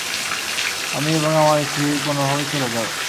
আমি এবং আমার স্ত্রীর কোনভাবে চলে যাবে।